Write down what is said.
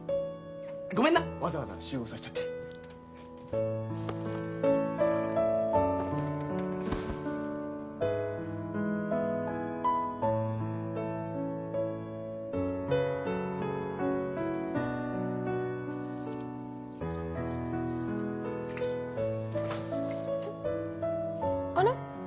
ごめんなわざわざ集合させちゃってあれ？